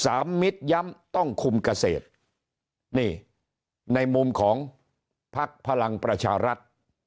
มิตรย้ำต้องคุมเกษตรนี่ในมุมของพักพลังประชารัฐ